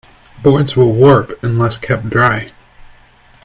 Boards will warp unless kept dry.